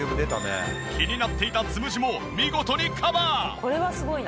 気になっていたつむじも見事にカバー！